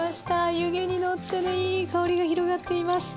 湯気に乗ってねいい香りが広がっています。